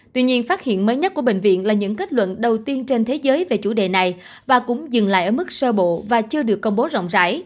tuy nhiên phát hiện mới nhất của bệnh viện là những kết luận đầu tiên trên thế giới về chủ đề này và cũng dừng lại ở mức sơ bộ và chưa được công bố rộng rãi